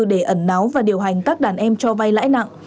để ẩn náu và điều hành các đàn em cho vay lãi nặng